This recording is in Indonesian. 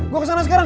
gue kesana sekarang